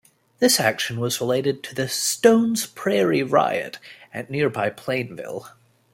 This action was related to the "Stone's Prairie Riot" at nearby Plainville.